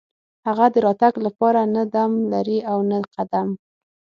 هغه د راتګ لپاره نه دم لري او نه قدم.